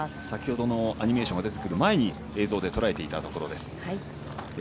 先ほどのアニメーションが出てくる前に映像でとらえていたところです。